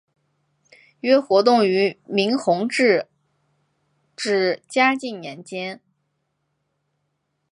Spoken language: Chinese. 约活动于明弘治至嘉靖年间。